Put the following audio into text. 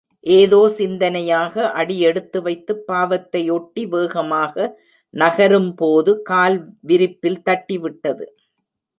ஏதோ சிந்தனையாக, அடி எடுத்துவைத்துப் பாவத்தை ஒட்டி வேகமாக நகரும்போது கால் விரிப்பில் தட்டிவிட்டது.